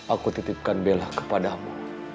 aku titipkan bella kepadamu